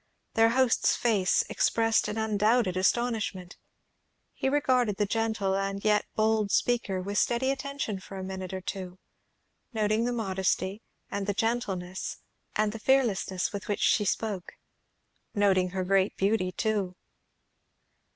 Their host's face expressed an undoubted astonishment. He regarded the gentle and yet bold speaker with steady attention for a minute or two, noting the modesty, and the gentleness, and the fearlessness with which she spoke. Noting her great beauty too.